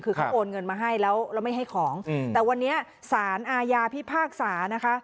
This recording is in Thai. คือเขาโอนเงินมาให้แล้วแล้วไม่ให้ของแต่วันนี้สารอาญาพิพากษานะคะ